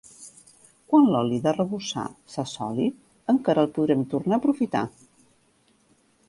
Quan l'oli d'arrebossar s'assoli encara el podrem tornar a aprofitar.